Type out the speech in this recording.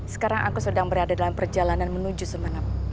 sekarang aku sedang berada dalam perjalanan menuju sumeneb